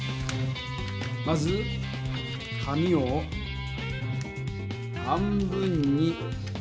まず紙を半分におる。